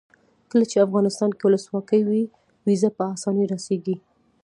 کله چې افغانستان کې ولسواکي وي ویزه په اسانۍ راسیږي.